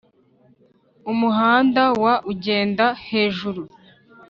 umuhanda wa ugenda hejuru